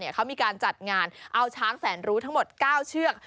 เขามีการจัดงานเอาช้างแสนรู้ทั้งหมด๙เชือก